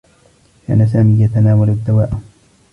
كان سامي يتناول الدّواء.